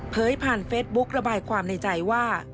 ผ่านเฟซบุ๊กระบายความในใจว่า